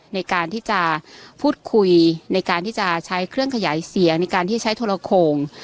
ในการที่จะพูดคุยในการที่จะใช้เครื่องขยายเสียงในการที่ใช้โทรโขง